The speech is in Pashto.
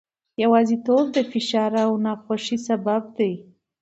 یوازیتوب د فشار او ناخوښۍ سبب دی.